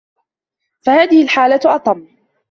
فَهَذِهِ الْحَالَةُ أَطَمُّ